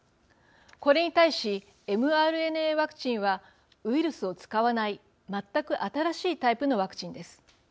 これに対し、ｍＲＮＡワクチンはウイルスを使わない全く新しいタイプのワクチンです。